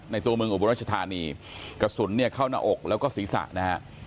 ตัวเมืองอุบรัชธานีกระสุนเนี่ยเข้าหน้าอกแล้วก็ศีรษะนะฮะ